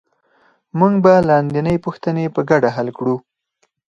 موږ به لاندینۍ پوښتنې په ګډه حل کړو